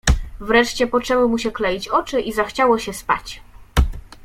"Wreszcie poczęły mu się kleić oczy i zachciało się spać."